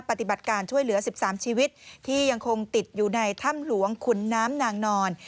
ปฏิบัติการช่วยเหลือ๑๓ชีวิตที่ยังคงติดอยู่ในถ้ำหลวงขุนน้ำนางนอน